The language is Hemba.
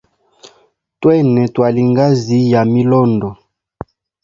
Twene twalie ngazi ya milondo.